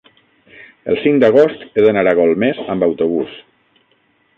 el cinc d'agost he d'anar a Golmés amb autobús.